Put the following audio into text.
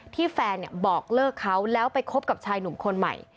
ที่แฟนบอกเลิกเขาแล้วไปคบกับชายหนุ่มคนใหม่